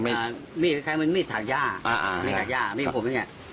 มีดมีดถักย่าอ่าอ่ามีดถักย่ามีกลุ่มอย่างเงี้ย